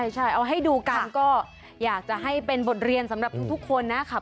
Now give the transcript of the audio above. ใช่เอาให้ดูกันก็อยากจะให้เป็นบทเรียนสำหรับทุกคนนะครับ